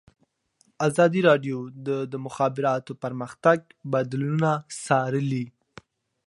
ازادي راډیو د د مخابراتو پرمختګ بدلونونه څارلي.